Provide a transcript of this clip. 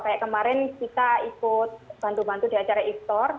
kayak kemarin kita ikut bantu bantu di acara ik store